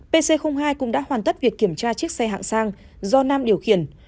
pc hai cũng đã hoàn tất việc kiểm tra chiếc xe hạng sang do nam điều khiển